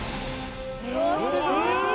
すごーい！